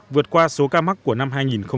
vượt qua số ca mắc của năm hai nghìn một mươi chín